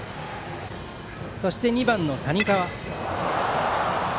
そして２番の谷川。